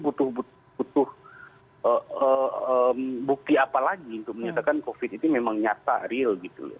itu butuh bukti apa lagi untuk menyatakan covid itu memang nyata real